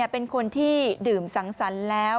เป็นคนที่ดื่มสังสรรค์แล้ว